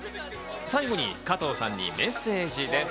最後に加藤さんにメッセージです。